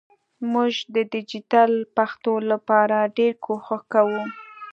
مونږ د ډیجېټل پښتو لپاره ډېر کوښښ کوو